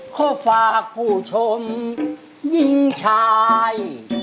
ขอฝากผู้ชมยิ่งชาย